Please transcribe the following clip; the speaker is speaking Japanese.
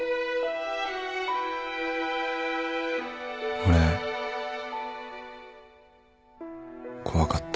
俺怖かった。